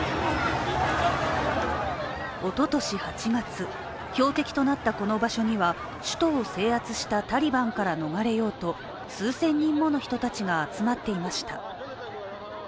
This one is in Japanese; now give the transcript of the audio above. おととし８月、標的となったこの場所には首都を制圧したタリバンから逃れようと数千人もの人たちが集まっていました。